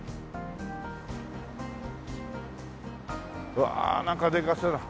うわあなんかでかそうだ。